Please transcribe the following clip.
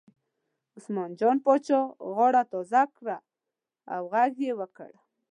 عثمان جان پاچا غاړه تازه کړه او غږ یې وکړ.